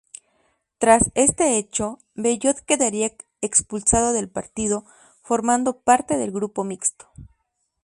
Tras este hecho, Bellot quedaría expulsado del partido, formando parte del grupo mixto.